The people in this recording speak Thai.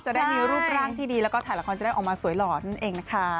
จะได้มีรูปร่างที่ดีแล้วก็ถ่ายละครจะได้ออกมาสวยหล่อนั่นเองนะคะ